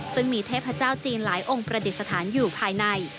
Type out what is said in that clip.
ซึ่งมีเทพเจ้าจีนหลายองค์ประดิษฐานอยู่ภายใน